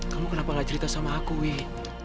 kamu kenapa gak cerita sama aku nih